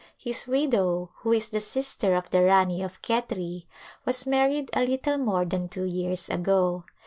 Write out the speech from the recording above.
His widow, who is the sister of the Rani of Khetri, was married a little more than two years ago.